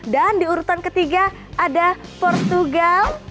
dan diurutan ke tiga ada portugal